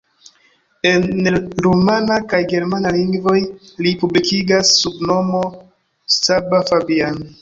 En rumana kaj germana lingvoj li publikigas sub nomo Csaba Fabian.